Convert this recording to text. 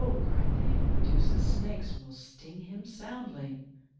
cried they; "Medusa's snakes will sting him soundly!"